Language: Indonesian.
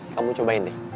kamu cobain deh